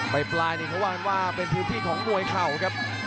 ไปปลายนี่เค้าว่าเป็นพิวพี่ของมวยเข่าครับ